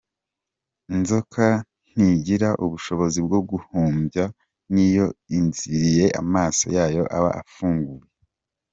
Inzoka ntigira ubushobozi bwo guhumbya, n’iyo isinziriye amaso yayo aba afunguye.